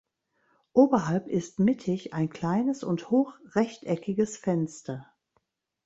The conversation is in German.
Oberhalb ist mittig ein kleines und hochrechteckiges Fenster.